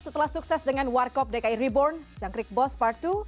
setelah sukses dengan warkop dki reborn dan krik boss part dua